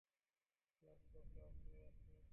লাশ পড়লো, আপনি আসলেন।